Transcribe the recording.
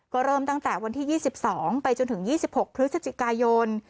ก็เริ่มตั้งแต่วันที่๒๒ไปจนถึง๒๖พฤศจิกายน